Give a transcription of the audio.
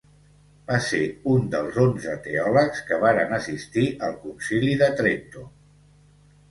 Va ser un dels onze teòlegs que varen assistir al Concili de Trento.